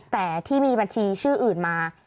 แต่ที่มีบัญชีชื่ออื่นมา